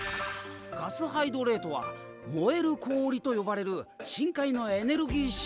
ガスハイドレートは燃える氷と呼ばれる深海のエネルギー資源だよ。